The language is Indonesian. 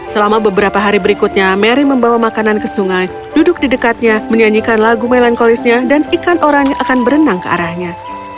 selama beberapa hari berikutnya mary membawa makanan ke sungai duduk di dekatnya menyanyikan lagu melankolisnya dan ikan oranye akan berenang ke arahnya